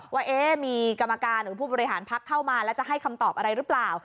ว่ามีกรรมการหรือผู้บริหารพักเข้ามาแล้วจะให้คำตอบอะไรหรือเปล่า